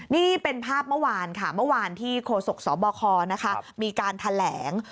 นี่เป็นภาพเมื่อวานค่ะเมื่อวานที่โฆษกสบคมีการแถลง